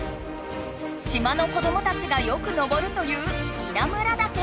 島の子どもたちがよく登るという稲村岳。